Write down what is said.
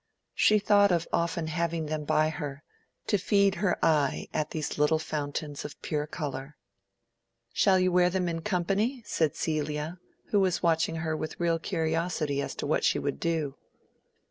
She thought of often having them by her, to feed her eye at these little fountains of pure color. "Shall you wear them in company?" said Celia, who was watching her with real curiosity as to what she would do.